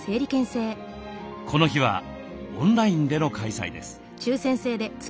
この日はオンラインでの開催です。